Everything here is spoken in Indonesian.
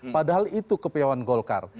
padahal itu kepiawan golkar